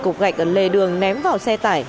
cục gạch ở lề đường ném vào xe tải